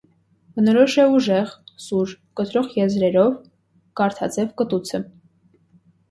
Բնորոշ է ուժեղ, սուր, կտրող եզրերով, կարթաձև կտուցը։